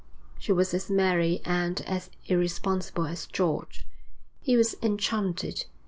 She was as merry and as irresponsible as George. He was enchanted.